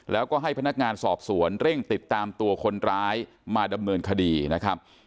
แล้วก็ให้พนักงานสอบสวนเร่งติดตามตัวคนร้ายมาดำเนินคดีนะครับ